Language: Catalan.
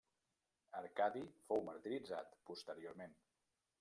Arcadi fou martiritzat posteriorment.